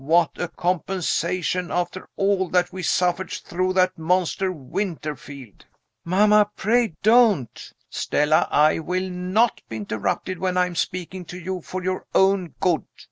What a compensation after all that we suffered through that monster, Winterfield!" "Mamma! Pray don't !" "Stella, I will not be interrupted, when I am speaking to you for your own good.